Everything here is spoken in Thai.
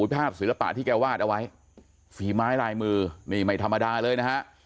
ภาพศิลปะที่แกวาดเอาไว้ฝีไม้ลายมือนี่ไม่ธรรมดาเลยนะฮะ